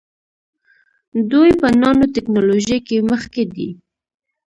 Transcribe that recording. دوی په نانو ټیکنالوژۍ کې مخکې دي.